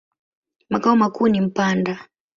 Makao makuu ni Mpanda.